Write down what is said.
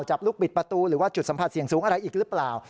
จับลูกบิดประตูหรือว่าจุดสัมผัสเสี่ยงสูงอะไรอีกหรือเปล่า